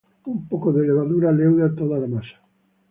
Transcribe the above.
Un poco de levadura leuda toda la masa.